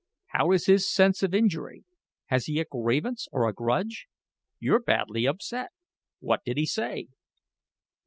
How is his sense of injury? Has he a grievance or a grudge? You're badly upset. What did he say?"